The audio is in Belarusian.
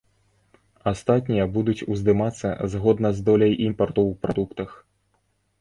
Астатнія будуць уздымацца згодна з доляй імпарту ў прадуктах.